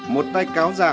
một tay cáo ra